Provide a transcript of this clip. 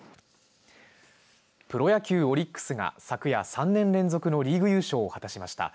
プロ野球、オリックスが昨夜３年連続のリーグ優勝を果たしました。